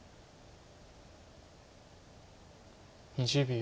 ２０秒。